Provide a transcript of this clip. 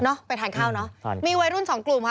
เนาะไปทานข้าวเนาะมีวัยรุ่นสองกลุ่มค่ะ